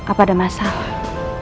apa ada masalah